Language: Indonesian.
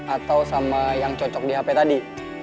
atau sama yang cocok di hp tadi